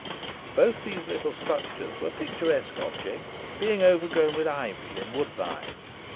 Both these little structures were picturesque objects, being overgrown with ivy and woodbine.